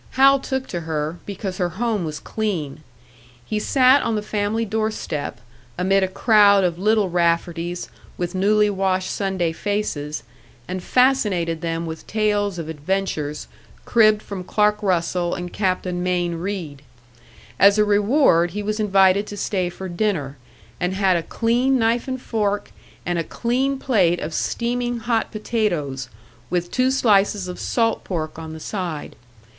Hal took to her, because her home was clean; he sat on the family door step, amid a crowd of little Rafferties with newly washed Sunday faces, and fascinated them with tales of adventures cribbed from Clark Russell and Captain Mayne Reid. As a reward he was invited to stay for dinner, and had a clean knife and fork, and a clean plate of steaming hot potatoes, with two slices of salt pork on the side.